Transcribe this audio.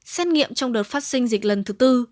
xét nghiệm trong đợt phát sinh dịch lần thứ tư